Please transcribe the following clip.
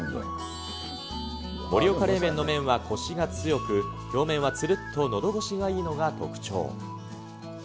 盛岡冷麺の麺はこしが強く、表面はつるっとのどごしがいいのが特徴。